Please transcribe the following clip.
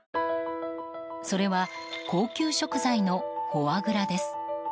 それは高級食材のフォアグラです。